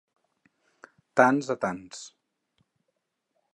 Tants a tants.